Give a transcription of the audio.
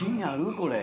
これ。